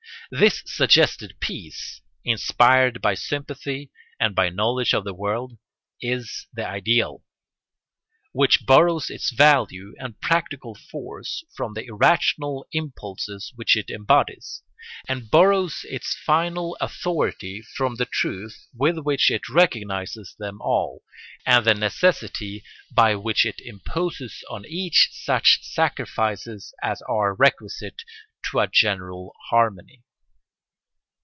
This suggested peace, inspired by sympathy and by knowledge of the world, is the ideal, which borrows its value and practical force from the irrational impulses which it embodies, and borrows its final authority from the truth with which it recognises them all and the necessity by which it imposes on each such sacrifices as are requisite to a general harmony.